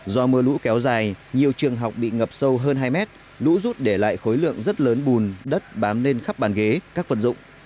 do mưa lũ kéo dài nhiều trường học bị ngập sâu hơn hai mét lũ rút để lại khối lượng rất lớn bùn đất bám lên khắp bàn ghế các vật dụng